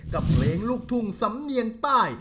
กับเพลงลูกทุ่งสำเนียงใต้